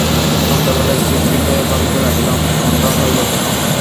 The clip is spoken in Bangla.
সন্ধ্যাবেলায় একটু স্থির হইয়া ভাবিতে লাগিলাম, এমনটা হইল কেন।